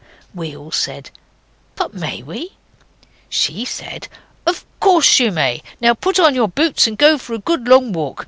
We all said, 'But may we?' She said, 'Of course you may. Now put on your boots and go for a good long walk.